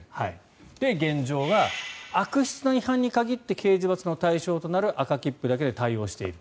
現状は悪質な違反に限って刑事罰の対象となる赤切符だけで対応している。